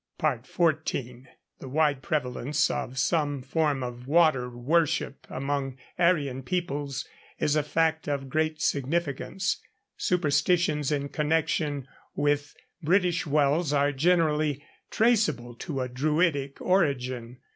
XIV. The wide prevalence of some form of water worship among Aryan peoples is a fact of great significance. Superstitions in connection with British wells are generally traceable to a Druidic origin.